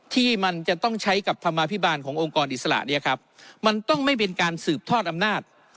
ที่มันจะต้องใช้กับธรรมาภิบาลขององค์กรอิสระเนี่ยครับมันต้องไม่เป็นการสืบทอดอำนาจ